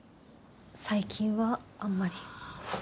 最近はあんまり。